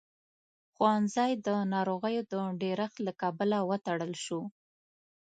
ښوونځی د ناروغيو د ډېرښت له کبله وتړل شو.